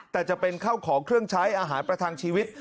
แต่จะเป็นข้าวของเครื่องใช้อาหารประทังชีวิต